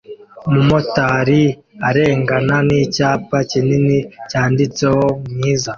Umumotari arengana nicyapa kinini cyanditseho "mwiza"